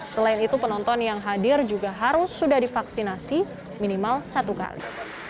selain itu penonton yang hadir juga harus sudah divaksinasi minimal satu kali